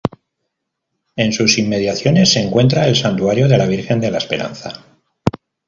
En sus inmediaciones se encuentra el Santuario de la Virgen de la Esperanza.